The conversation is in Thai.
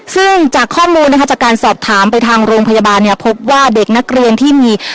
ซึ่งจากข้อมูลนะคะจากการสอบถามไปทางโรงพยาบาลเนี่ยพบว่าเด็กนักเรียนที่มี